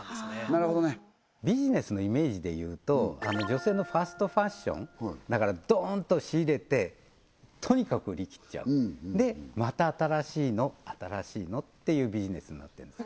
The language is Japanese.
なるほどねビジネスのイメージで言うと女性のファストファッションだからドーンと仕入れてとにかく売りきっちゃうでまた新しいの新しいのっていうビジネスになってるんです